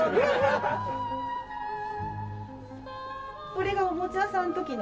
これがおもちゃ屋さんの時の。